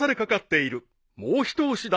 ［もう一押しだ］